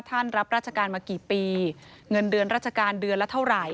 รับราชการมากี่ปีเงินเดือนราชการเดือนละเท่าไหร่